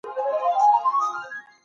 تطبيقي پوښتنې په څېړنه کې رول لري.